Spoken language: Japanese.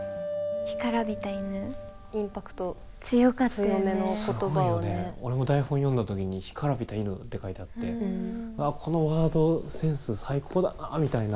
すごいよね俺も台本読んだ時に「干からびた犬」って書いてあってああこのワードセンス最高だなみたいな。